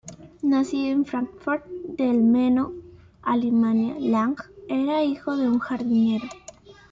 Nacido en Fráncfort del Meno, Alemania, Lang era hijo de un jardinero.